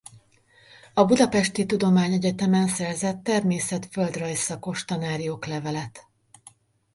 A budapesti tudományegyetemen szerzett természet-földrajz szakos tanári oklevelet.